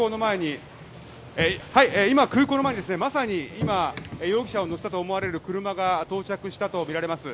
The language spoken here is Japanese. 今、空港の前にまさに今容疑者を乗せたと思われる車が到着したとみられます。